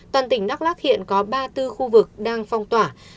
toàn tỉnh đắk lắc hiện có ba mươi bốn khu vực đang phong tỏa